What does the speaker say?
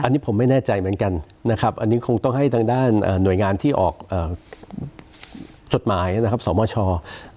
อันนี้ผมไม่แน่ใจเหมือนกันนะครับอันนี้คงต้องให้ทางด้านหน่วยงานที่ออกจดหมายนะครับสมช